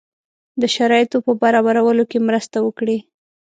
د شرایطو په برابرولو کې مرسته وکړي.